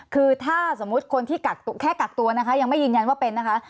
คือถ้าสมมุติคนที่แค่กักตัวนะคะยังไม่ยืนยันว่าเป็นนะคะ